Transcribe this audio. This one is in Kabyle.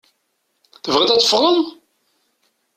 Tebɣiḍ ad teffɣeḍ?